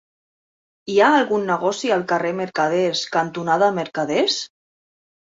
Hi ha algun negoci al carrer Mercaders cantonada Mercaders?